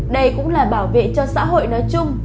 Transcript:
đây cũng là bảo vệ cho xã hội nói chung